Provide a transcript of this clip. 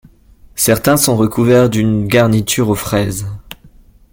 Certains sont recouverts d’une garniture aux fraises.